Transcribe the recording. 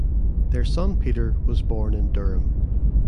Their son Peter was born in Durham.